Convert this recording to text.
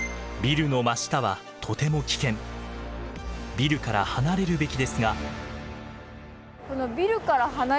ビルから離れるべきですが。